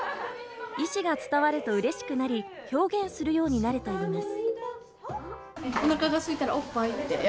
意思が伝わるとうれしくなり、表現するようになるといいます。